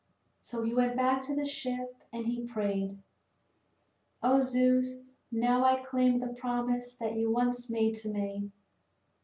So he went back to his ship and he prayed: "O Zeus, now I claim the promise that you once made to me.